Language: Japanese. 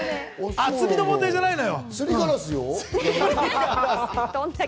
厚みの問題じゃないのよ。